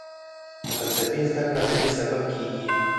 د فلسفې زده کړه ددې سبب کېږي.